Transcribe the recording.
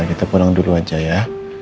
kita podong dulu aja ya